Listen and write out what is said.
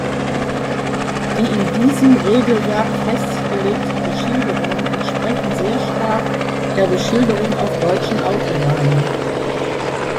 Die in diesem Regelwerk festgelegten Beschilderungen entsprechen sehr stark der Beschilderung auf deutschen Autobahnen.